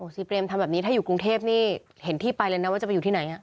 ซีเปรมทำแบบนี้ถ้าอยู่กรุงเทพนี่เห็นที่ไปเลยนะว่าจะไปอยู่ที่ไหน